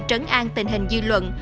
trấn an tình hình dư luận